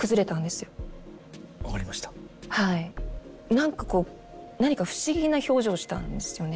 なんかこう何か不思議な表情をしたんですよね。